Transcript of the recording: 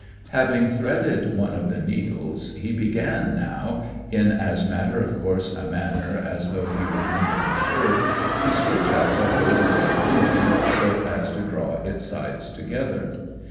Having threaded one of the needles he began now, in as matter of course a manner as though he were mending a shirt, to stitch up the whole great wound so as to draw its sides together.